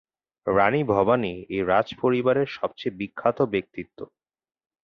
রানী ভবানী এই রাজ পরিবারের সবচেয়ে বিখ্যাত ব্যক্তিত্ব।